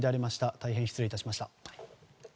大変失礼致しました。